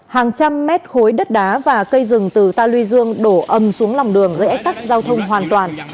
hàng trăm mét khối đất đá và cây rừng từ ta lưu dương đổ ầm xuống lòng đường dễ tắt giao thông hoàn toàn